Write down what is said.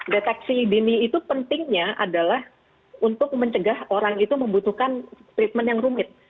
deteksi dini itu pentingnya adalah untuk mencegah orang itu membutuhkan treatment yang rumit